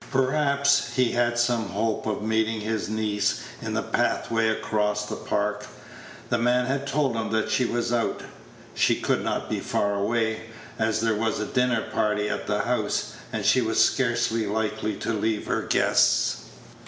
Perhaps he had some hope of meeting his niece in the pathway across the Park. The man had told him that she was out. She could not be far away, as there was a dinner party at the house, and she was scarcely likely to leave her guests.